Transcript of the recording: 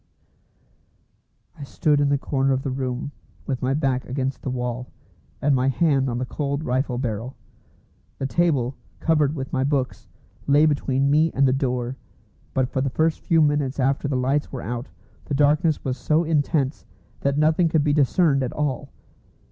I stood in the corner of the room with my back against the wall, and my hand on the cold rifle barrel. The table, covered with my books, lay between me and the door, but for the first few minutes after the lights were out the darkness was so intense that nothing could be discerned at all.